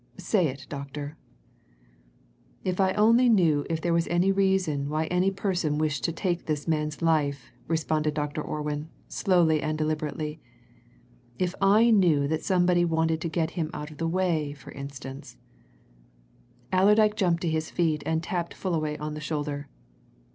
Say it, doctor!" "If I only knew if there was any reason why any person wished to take this man's life," responded Dr. Orwin, slowly and deliberately. "If I knew that somebody wanted to get him out of the way, for instance " Allerdyke jumped to his feet and tapped Fullaway on the shoulder.